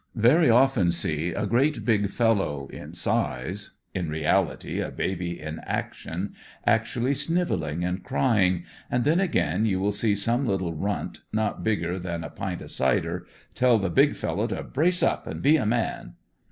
Very often see a great big fel low in size, in reality a baby in action, actually sniveling and cry ing, and then again you will see some little runt, ''not bigger than a pint of cider," tell the big fellow to ''brace up" and be a man.